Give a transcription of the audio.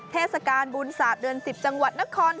เทศกาลบุญศาสตร์เดือน๑๐จังหวัดนคร